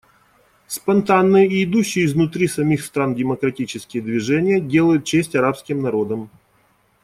Спонтанные и идущие изнутри самих стран демократические движения делают честь арабским народам.